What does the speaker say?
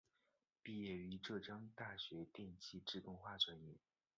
毕业于浙江大学电气自动化专业。